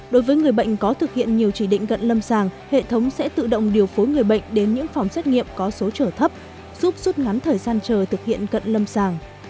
đối với người bệnh có thực hiện nhiều chỉ định cận lâm sàng hệ thống sẽ tự động điều phối người bệnh đến những phòng xét nghiệm có số trở thấp giúp rút ngắn thời gian chờ thực hiện cận lâm sàng